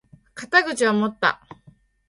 肩口を持った！